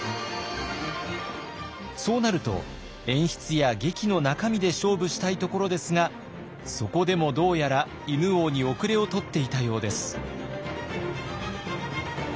そうなると演出や劇の中身で勝負したいところですがそこでもどうやら犬王に後れを取っていたようです。